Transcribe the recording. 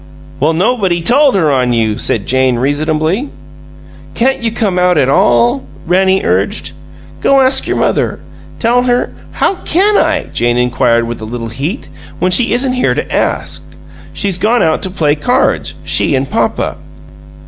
"Well, nobody told her on you," said Jane, reasonably. "Can't you come out at all?" Rannie urged. "Go ask your mother. Tell her " "How can I," Jane inquired, with a little heat, "when she isn't here to ask? She's gone out to play cards she and papa."